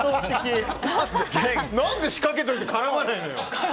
何で、仕掛けといて絡まないのよ？